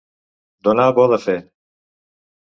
Donar bo de fer.